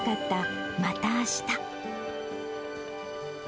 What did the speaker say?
またあしたね。